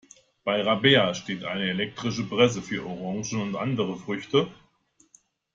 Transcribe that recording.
Bei Rabea steht eine elektrische Presse für Orangen und andere Früchte.